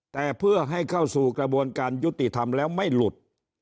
แต่เพื่อให้เข้าสู่กระบวนการยุติธรรมแล้วไม่หลุด